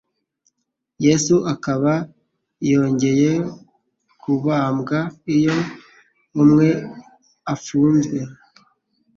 Yesu akaba yongcye kubambwa. Iyo umwe afimzwe,